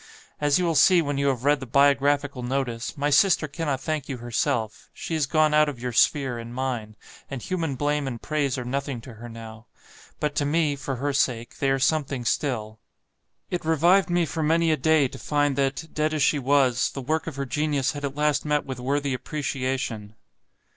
As you will see when you have read the biographical notice, my sister cannot thank you herself; she is gone out of your sphere and mine, and human blame and praise are nothing to her now. But to me, for her sake, they are something still; it revived me for many a day to find that, dead as she was, the work of her genius had at last met with worthy appreciation.